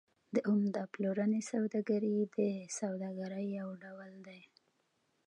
د عمده پلورنې سوداګري د سوداګرۍ یو ډول دی